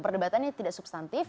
perdebatannya tidak substantif